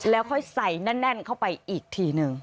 แล้วค่อยใส่แน่นเข้าไปอีกทีหนึ่ง